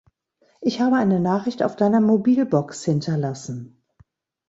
Ich habe eine Nachricht auf deiner Mobilbox hinterlassen.